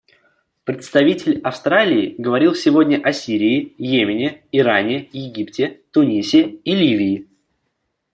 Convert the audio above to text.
Представитель Австралии говорил сегодня о Сирии, Йемене, Иране, Египте, Тунисе и Ливии.